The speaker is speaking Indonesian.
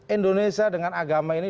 indonesia dengan agama ini